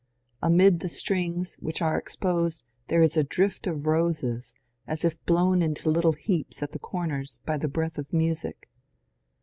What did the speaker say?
Amid the strings, which are exposed, there is a drift of roses, as if blown into little heaps at the corners by the breath of music.